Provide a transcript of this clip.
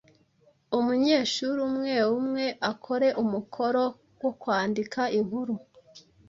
Umunyeshuri umwumwe akore umukoro wo kwandika inkuru